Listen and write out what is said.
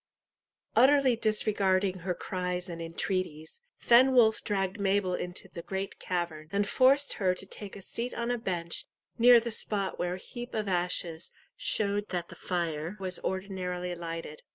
Utterly disregarding her cries and entreaties, Fenwolf dragged Mabel into the great cavern, and forced her to take a seat on a bench near the spot where a heap of ashes showed that the fire was ordinarily lighted.